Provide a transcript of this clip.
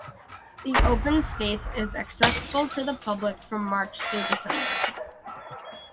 The open space is accessible to the public from March through December.